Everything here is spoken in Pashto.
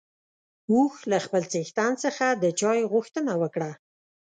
اوښ له خپل څښتن څخه د چای غوښتنه وکړه.